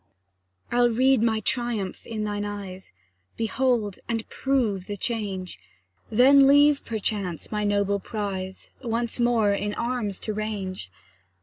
I'll read my triumph in thine eyes, Behold, and prove the change; Then leave, perchance, my noble prize, Once more in arms to range.